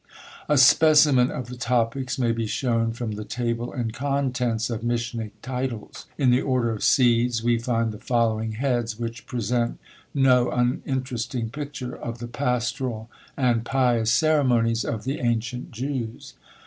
A specimen of the topics may be shown from the table and contents of "Mishnic Titles." In the order of seeds, we find the following heads, which present no uninteresting picture of the pastoral and pious ceremonies of the ancient Jews.